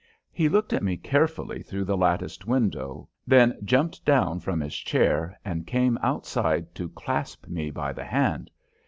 He looked at me carefully through the latticed window, then jumped down from his chair and came outside to clasp me by the hand.